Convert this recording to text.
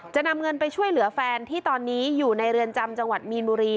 จะนำเงินไปช่วยเหลือแฟนที่ตอนนี้อยู่ในเรือนจำจังหวัดมีนบุรี